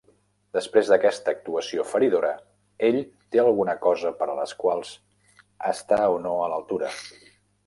Després d'aquesta actuació feridora, ell té alguna cosa per a les quals estar o no a l'altura.